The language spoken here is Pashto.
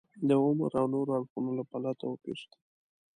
د عمر او نورو اړخونو له پلوه توپیر شته.